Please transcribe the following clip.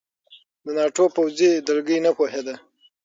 د ناټو پوځي دلګۍ نه پوهېده.